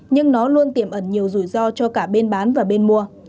nhưng nó luôn tiềm ẩn nhiều rủi ro cho cả bên bán và bên mua